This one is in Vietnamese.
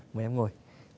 mời em ngồi